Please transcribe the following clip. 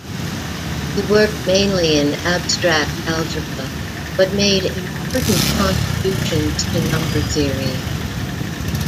He worked mainly in abstract algebra, but made important contributions to number theory.